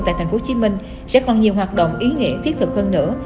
tại tp hcm sẽ bằng nhiều hoạt động ý nghĩa thiết thực hơn nữa